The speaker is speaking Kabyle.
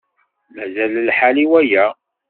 Mazal lḥal i waya.